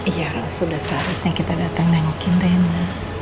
iya sudah seharusnya kita datang nangkukin rena